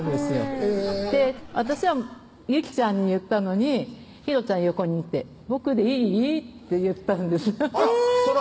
へぇ私はユキちゃんに言ったのにひろちゃん横にいて「僕でいい？」って言ったんですあらっ